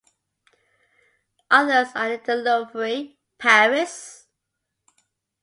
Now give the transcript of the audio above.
Others are in the Louvre, Paris.